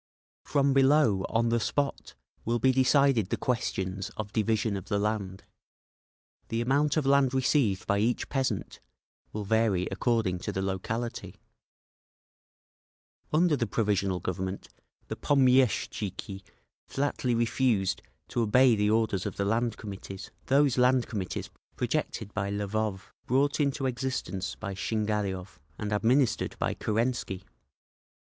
From below, on the spot, will be decided the questions of division of the land. The amount of land received by each peasant will vary according to the locality…. "Under the Provisional Government, the pomieshtchiki flatly refused to obey the orders of the Land Committees—those Land Committees projected by Lvov, brought into existence by Shingariov, and administered by Kerensky!"